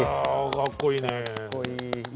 かっこいい。